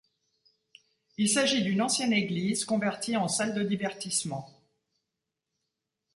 Il s'agit d'une ancienne église convertie en salle de divertissement.